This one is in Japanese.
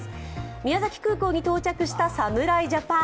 宮崎空港に到着した侍ジャパン。